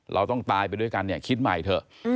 เราต้องตายไปด้วยกันเนี่ยคิดใหม่เถอะ